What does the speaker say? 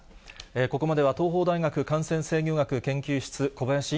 ここまでは東邦大学感染制御学研究室、小林寅